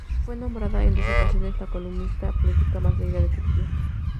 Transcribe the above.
Fue nombrada en dos ocasiones la columnista política más leída de Turquía.